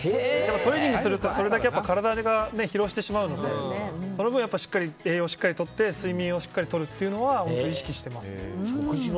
トレーニングするとそれだけ体が疲労してしまうのでその分、栄養をしっかりとって睡眠をしっかりとるというのは食事は？